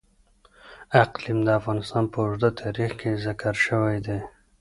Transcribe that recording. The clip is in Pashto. اقلیم د افغانستان په اوږده تاریخ کې ذکر شوی دی.